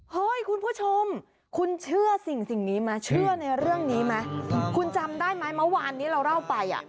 เฮ้ยคุณผู้ชมคุณเชื่อสิ่งนี้มั้ยเชื่อในเรื่องนี้มั้ยคุณจำได้มั้ยเมื่อวานนี้เราเล่าไป